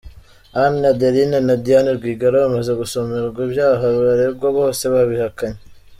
Anne, Adeline na Diane Rwigara bamaze gusomerwa ibyaha baregwa bose babihakanye.